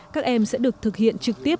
các em sẽ được thực hiện trực tiếp